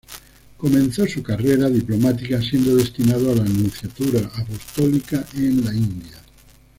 Comenzó su carrera diplomática siendo destinado a la Nunciatura Apostólica en la India.